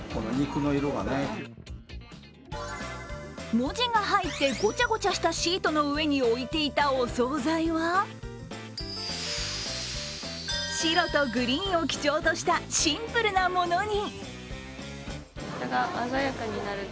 文字が入ってごちゃごちゃしていたシートの上に置いていたお総菜は、白とグリーンを基調としたシンプルなものに。